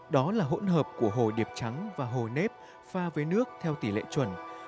đó là hỗn hợp của hồ điệp trắng và hồ nếp pha với nước theo tỷ lệ chuẩn